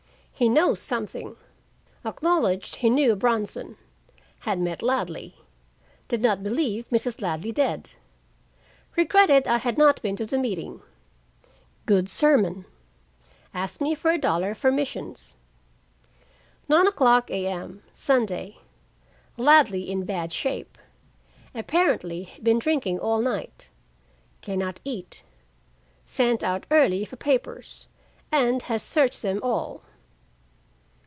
He knows something. Acknowledged he knew Bronson. Had met Ladley. Did not believe Mrs. Ladley dead. Regretted I had not been to the meeting. Good sermon. Asked me for a dollar for missions. 9:00 A.M. Sunday. Ladley in bad shape. Apparently been drinking all night. Can not eat. Sent out early for papers, and has searched them all.